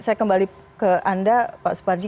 saya kembali ke anda pak suparji